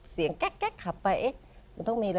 เสียงแก๊กแก๊กขับไป